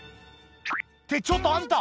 って、ちょっとあんた！